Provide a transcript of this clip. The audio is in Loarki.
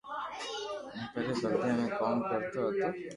ھون پيري بلديئا ۾ ڪوم ڪرتو ھتو